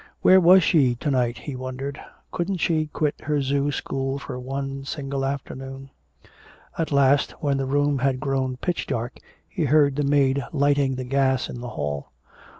Where was she to night, he wondered. Couldn't she quit her zoo school for one single afternoon? At last, when the room had grown pitch dark, he heard the maid lighting the gas in the hall.